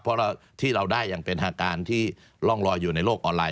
เพราะที่เราได้อย่างเป็นทางการที่ร่องลอยอยู่ในโลกออนไลน